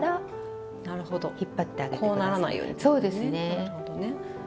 なるほどね。